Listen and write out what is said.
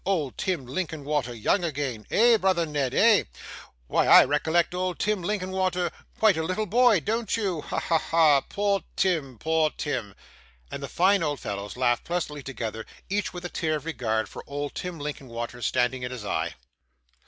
Old Tim Linkinwater young again! Eh, brother Ned, eh? Why, I recollect old Tim Linkinwater quite a little boy, don't you? Ha, ha, ha! Poor Tim, poor Tim!' And the fine old fellows laughed pleasantly together: each with a tear of regard for old Tim Linkinwater standing in his eye.